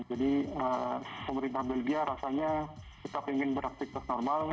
jadi pemerintah belgia rasanya tetap ingin beraktifitas normal